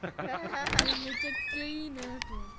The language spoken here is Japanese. めちゃくちゃいいなって思った。